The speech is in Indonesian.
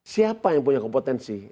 siapa yang punya kompetensi